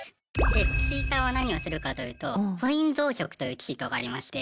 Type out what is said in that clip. でチーターは何をするかというとコイン増殖というチートがありまして。